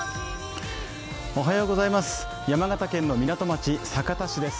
山形県の港町、酒田市です。